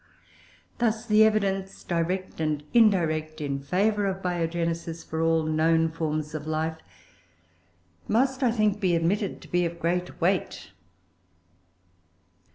Thus the evidence, direct and indirect, in favour of Biogenesis for all known forms of life must, I think, be admitted to be of great weight.